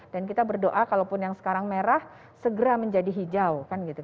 dan kita berdoa kalau pun yang sekarang merah segera menjadi hijau